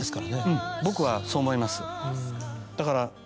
うん僕はそう思います。